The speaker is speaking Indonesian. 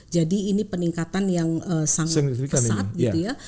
jadi ini peningkatan yang sangat kesat gitu ya